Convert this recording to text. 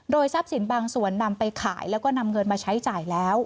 ทรัพย์สินบางส่วนนำไปขายแล้วก็นำเงินมาใช้จ่ายแล้ว